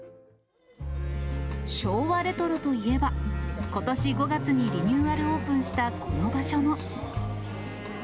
昭和レトロといえば、ことし５月にリニューアルオープンしたこの場所も。